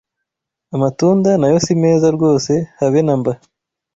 Amatunda nayo simeza rwose habe namba